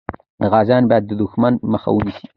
غازیان باید د دښمن مخه ونیسي.